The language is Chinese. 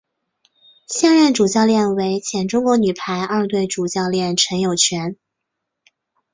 现任主教练为前中国女排二队主教练陈友泉。